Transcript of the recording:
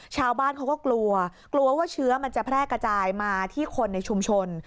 ชาวบ้านเขาก็กลัวกลัวว่าเชื้อมันจะแพร่กระจายมาที่คนในชุมชน